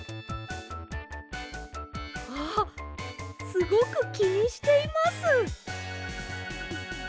あっすごくきにしています。